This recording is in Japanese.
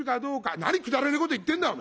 「何くだらねえこと言ってんだお前。